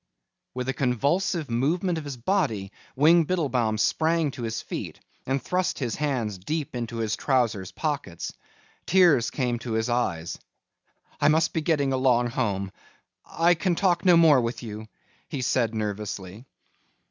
With a convulsive movement of his body, Wing Biddlebaum sprang to his feet and thrust his hands deep into his trousers pockets. Tears came to his eyes. "I must be getting along home. I can talk no more with you," he said nervously.